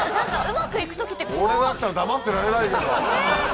俺だったら黙ってられないけど。